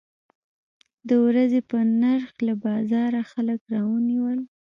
د ورځې په نرخ له بازاره خلک راونیول.